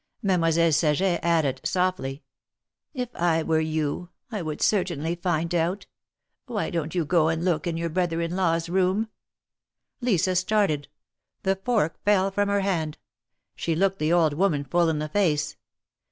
Mademoiselle Saget added, softly : "If I were you, I would certainly find out. Why don't you go and look in your brother in law's room? " Lisa started. The fork fell from her hand. She looked the old woman full in the face.